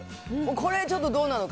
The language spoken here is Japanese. これ、ちょっとどうなのか。